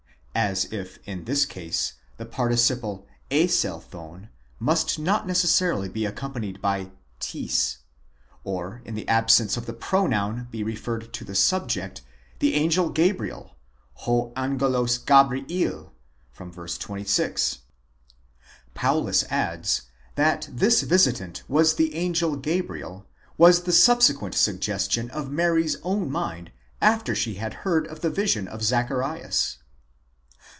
(As if in this case, the participle εἰσελθὼν must not necessarily be accompanied by tis ; ΟΥ̓, in the absence of the pronoun be referred to the subject, the angel Gabriel— ὃ ἄγγελος Ταβριὴλ, v. 26!) Paulus adds: that this visitant was the angel Gabriel was the subsequent suggestion of Mary's own mind, after she had. heard of the vision of Zacharias.